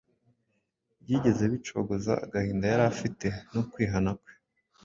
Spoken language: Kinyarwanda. byigeze bicogoza agahinda yari afite no kwihana kwe.